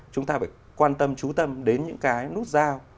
chúng ta phải quan tâm trú tâm đến những cái nút giao